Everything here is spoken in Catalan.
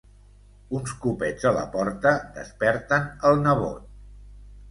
Uns copets a la porta desperten el nebot.